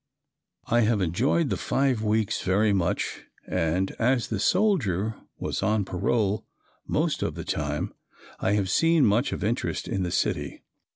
I have enjoyed the five weeks very much and as "the soldier" was on parole most of the time I have seen much of interest in the city.